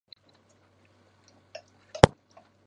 他现在效力于英冠球会谢周三足球俱乐部。